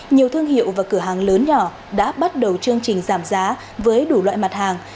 nhiều thương hiệu và cửa hàng lớn nhỏ đã bắt đầu chương trình giảm giá với đủ loại mặt hàng